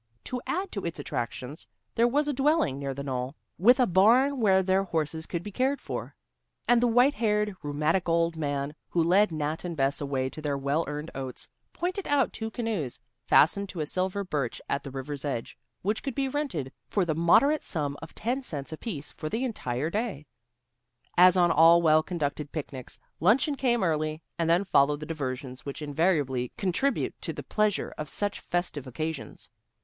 To add to its attractions, there was a dwelling near the knoll, with a barn where their horses could be cared for, and the white haired, rheumatic old man who led Nat and Bess away to their well earned oats, pointed out two canoes, fastened to a silver birch at the river's edge, which could be rented for the moderate sum of ten cents apiece for the entire day. As on all well conducted picnics, luncheon came early, and then followed the diversions which invariably contribute to the pleasure of such festive occasions.